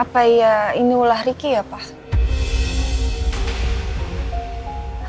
apa ya ini ulah ricky ya pak